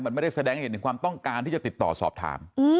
มันไม่ได้แสดงให้เห็นถึงความต้องการที่จะติดต่อสอบถาม